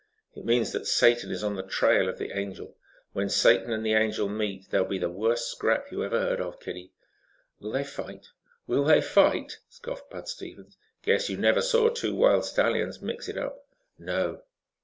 "It means that Satan is on the trail of the Angel. When Satan and the Angel meet there'll be the worst scrap you ever heard of, kiddie." "Will they fight?" "Will they fight?" scoffed Bud Stevens. "Guess you never saw two wild stallions mix it up." "No."